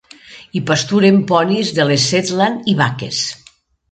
Hi pasturen ponis de les Shetland i vaques.